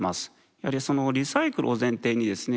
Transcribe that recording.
やはりそのリサイクルを前提にですね